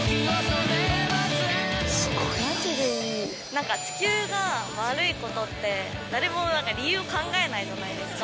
何か地球が丸いことって誰も理由を考えないじゃないですか